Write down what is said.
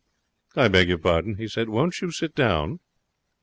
'I beg your pardon,' he said. 'Won't you sit down?'